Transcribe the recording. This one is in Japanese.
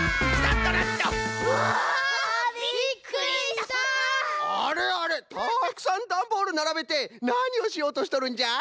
たくさんダンボールならべてなにをしようとしとるんじゃ？